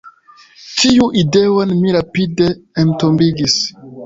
Tiun ideon mi rapide entombigis.